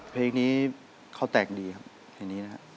พี่สงุน